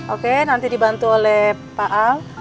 oke nanti dibantu oleh pak ang